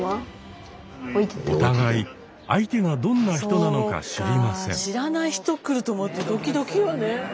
お互い相手がどんな人なのか知りません。